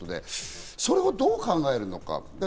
それをどう考えるのか？